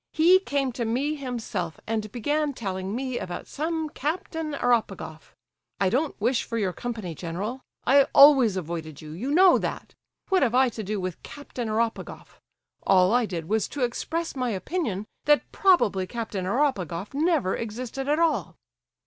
He came to me himself and began telling me about some Captain Eropegoff. I don't wish for your company, general. I always avoided you—you know that. What have I to do with Captain Eropegoff? All I did was to express my opinion that probably Captain Eropegoff never existed at all!"